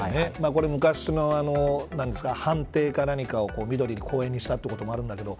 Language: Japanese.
これ昔の藩邸か何かを緑の公園にしたということもあるんですけど